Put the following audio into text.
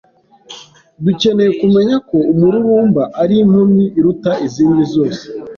Dukeneye kumenya ko umururumba ari inkomyi iruta izindi zose